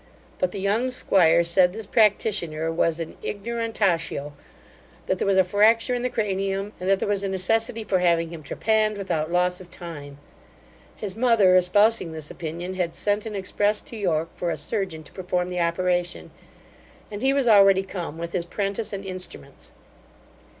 But the young 'squire said this practitioner was an ignorantaccio, that there was a fracture in the cranium, and that there was a necessity for having him trepanned without loss of time. His mother, espousing this opinion, had sent an express to York for a surgeon to perform the operation, and he was already come with his 'prentice and instruments.